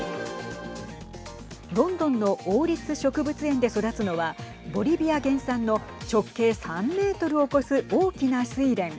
ロンドンの王立植物園で育つのはボリビア原産の直径３メートルを超す大きなスイレン。